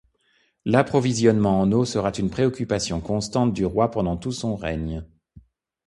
L'approvisionnement en eau sera une préoccupation constante du roi pendant tout son règne.